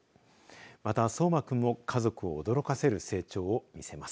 また荘真君も家族を驚かせる成長を見せます。